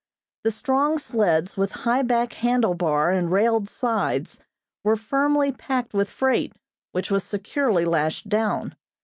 The strong sleds with high back handle bar and railed sides were firmly packed with freight, which was securely lashed down.